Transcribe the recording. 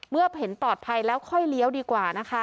เมื่อเห็นปลอดภัยแล้วค่อยเลี้ยวดีกว่านะคะ